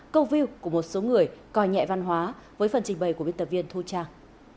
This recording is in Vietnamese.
câu view của một số người coi nhẹ văn hóa với phần trình bày của biên tập viên thu trang